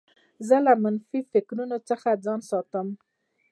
زه له منفي فکرو څخه ځان ساتم.